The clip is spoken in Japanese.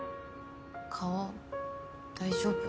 顔大丈夫？